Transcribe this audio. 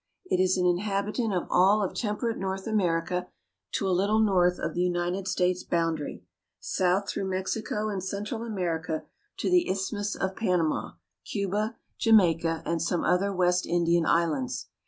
It is an inhabitant of all of temperate North America to a little north of the United States boundary, south through Mexico and Central America to the Isthmus of Panama, Cuba, Jamaica, and some other West Indian islands.